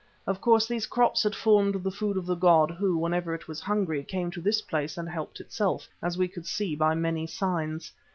Of course these crops had formed the food of the god who, whenever it was hungry, came to this place and helped itself, as we could see by many signs.